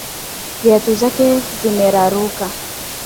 Viatu zake zimeraruka.